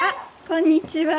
こんにちは。